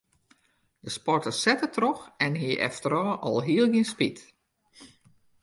De sporter sette troch en hie efterôf alhiel gjin spyt.